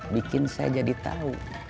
bikin saya jadi tahu